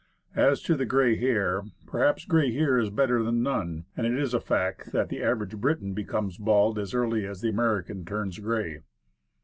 As to the gray hair perhaps gray hair is better than none; and it is a fact that the average Briton becomes bald as early as the American turns gray.